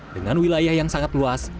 dengan wilayah yang sangat luas